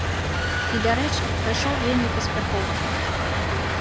І, дарэчы, прайшоў вельмі паспяхова.